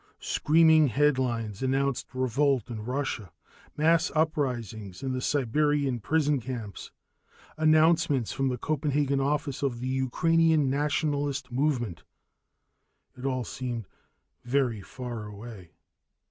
Screaming headlines announced revolt in Russia mass uprisings in the Siberian prison camps announcements from the Copenhagen office of the Ukrainian nationalist movement It all seemed very far away.